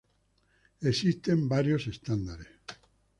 Existen varios estándares.